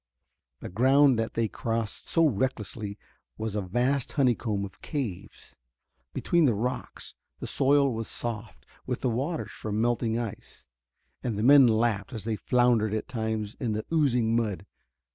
The ground that they crossed so recklessly was a vast honeycomb of caves. Between the rocks the soil was soft with the waters from melting ice, and the men laughed as they floundered at times in the oozing mud.